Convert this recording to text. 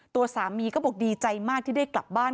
ตัวสามีก็บอกดีใจมากที่ได้กลับบ้าน